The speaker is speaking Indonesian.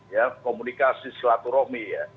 ya komunikasi silaturahmi ya